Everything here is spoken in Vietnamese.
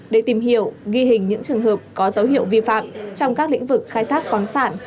để tìm hiểu ghi hình những trường hợp có dấu hiệu vi phạm trong các lĩnh vực khai thác khoáng sản